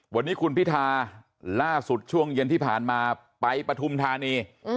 วันนี้คุณพิธาล่าสุดช่วงเย็นที่ผ่านมาไปปฐุมธานี